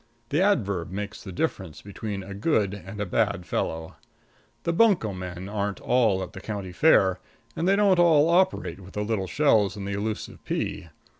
The adverb makes the difference between a good and a bad fellow. The bunco men aren't all at the county fair, and they don't all operate with the little shells and the elusive pea.